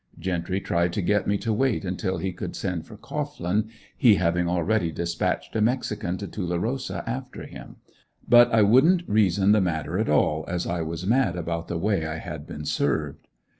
Gentry tried to get me to wait until he could send for Cohglin, he having already dispatched a mexican to Tulerosa after him, but I wouldn't reason the matter at all, as I was mad about the way I had been served.